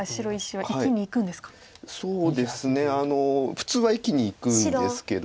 普通は生きにいくんですけど。